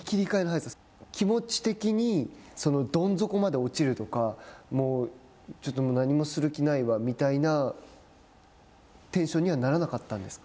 落ちるとかちょっと何もする気な有みたいなテンションにはならなかったんですか。